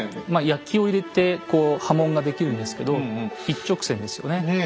焼きを入れてこう刃文ができるんですけど一直線ですよね。